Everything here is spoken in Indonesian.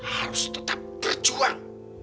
harus tetap berjuang